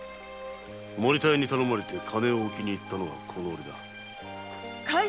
森田屋に頼まれて金を置きに行ったのはこのおれだ。